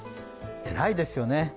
えらいですよね。